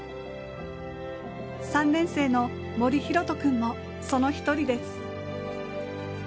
３年生の森寛斗君も、その一人です。